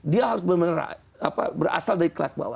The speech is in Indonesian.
dia harus benar benar berasal dari kelas bawah